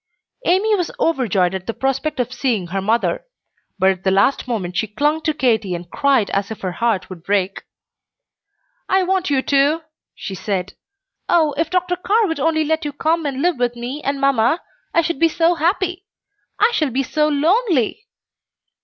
Amy was overjoyed at the prospect of seeing her mother; but at the last moment she clung to Katy and cried as if her heart would break. "I want you too," she said. "Oh, if Dr. Carr would only let you come and live with me and mamma, I should be so happy! I shall be so lone ly!"